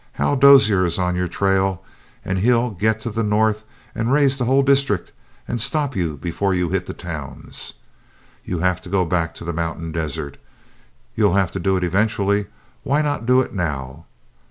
Hal Dozier is on your trail, and he'll get to the north and raise the whole district and stop you before you hit the towns. You'll have to go back to the mountain desert. You'll have to do it eventually, why not do it now?